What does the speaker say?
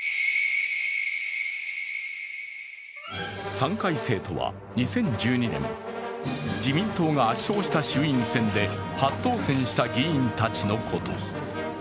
３回生とは２０１２年、自民党が圧勝した衆院選で初当選した議員たちのこと。